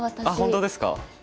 あっ本当ですか？